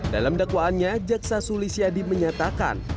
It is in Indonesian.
dalam dakwaannya jaksa sulis yadi menyatakan